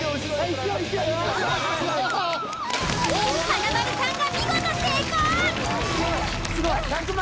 ［華丸さんが見事成功］